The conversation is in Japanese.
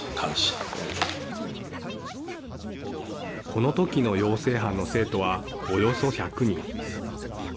この時の養成班の生徒はおよそ１００人。